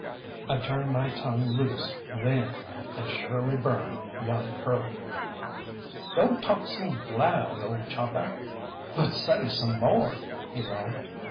I turned my tongue loose then, and surely burned young Curly. "Don't talk so loud, ole Chalkeye, but say some more!" he laughed.